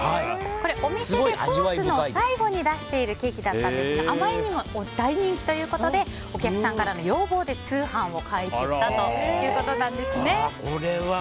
これ、お店でコースの最後に出しているケーキだったんですがあまりにも大人気ということでお客さんからの要望で通販を開始したということなんですね。